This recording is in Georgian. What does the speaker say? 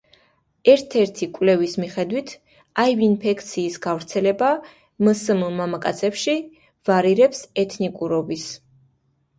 ერთ-ერთი კვლევის მიხედვით აივ-ინფექციის გავრცელება მსმ მამაკაცებში ვარირებს ეთნიკურობის მიხედვით.